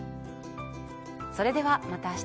それではまた明日。